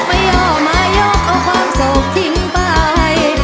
ไปย่อมายกเอาความโศกทิ้งไป